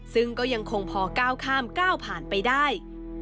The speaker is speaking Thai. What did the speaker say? ซึ่งก็ยังคงพอก้าวข้ามก้าวผ่านไปได้